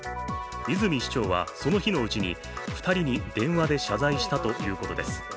泉市長はその日のうちに２人に電話で謝罪したということです。